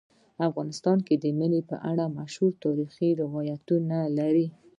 افغانستان د منی په اړه مشهور تاریخی روایتونه لري.